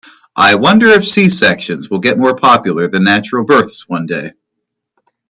I wonder if C-sections will get more popular than natural births one day.